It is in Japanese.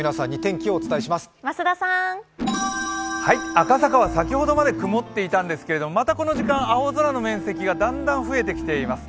赤坂は先ほどまで曇っていたんですけれども、またこの時間青空の面積がだんだん増えてきています。